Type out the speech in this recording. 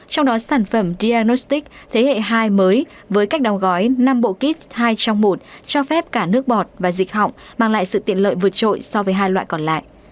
trong đó sản phẩm dynostic thế hệ hai mới với cách đóng gói năm bộ kit hai trong một cho phép cả nước bọt và dịch họng mang lại sự tiện lợi vượt trội so với hai loại còn lại